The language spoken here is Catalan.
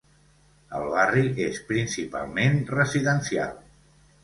El barri és principalment residencial.